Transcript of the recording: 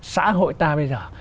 xã hội ta bây giờ